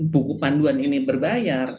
buku panduan ini berbayar